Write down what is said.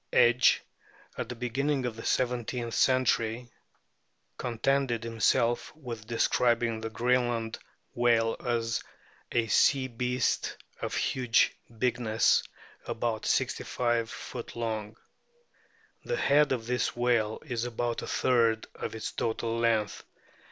Edge, at the beginning of the seventeenth century, contented himself with describing the Green land whale as "a sea beaste of huge bigness, about 65 foot long." The head of this whale is about a third of its total length.